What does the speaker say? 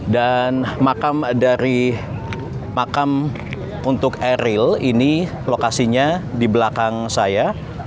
dan makam dari makam untuk eril ini lokasinya di belakang saya